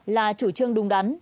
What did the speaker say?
là chủ trương đúng đắn